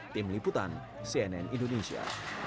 tim liputan cnn indonesia